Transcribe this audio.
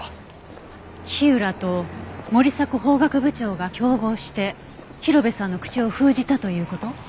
火浦と森迫法学部長が共謀して広辺さんの口を封じたという事？